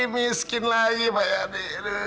miskin lagi pak yadi